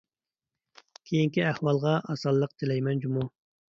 كېيىنكى ئەھۋالىغا ئاسانلىق تىلەيمەن جۇمۇ!